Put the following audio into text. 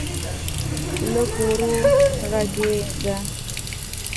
لږ ورو غږېږه.